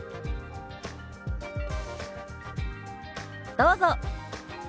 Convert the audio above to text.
どうぞ。